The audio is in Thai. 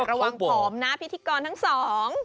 ระวังผอมนะพิธีกรทั้งสอง